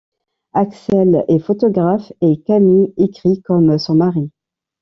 Axèle est photographe et Camille écrit, comme son mari.